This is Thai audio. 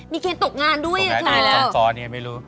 มีเกณฑ์ตกงานด้วยตายแล้ว